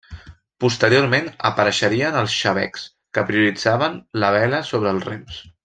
Posteriorment apareixerien els xabecs, que prioritzaven la vela sobre els rems.